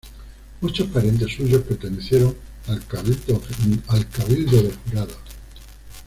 Muchos parientes suyos pertenecieron al cabildo de jurados.